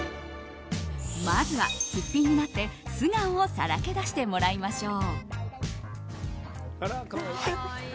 まずはすっぴんになって、素顔をさらけ出してもらいましょう。